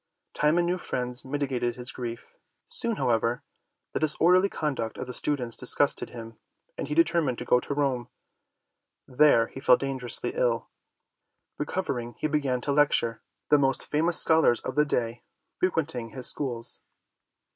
Time and new friends mitigated his grief. Soon however the disorderly conduct of the students dis gusted him, and he determined to go to Rome. There he fell dangerously ill. Recovering, he began tO' lecture, the most famous scholars of the day frequenting his schools.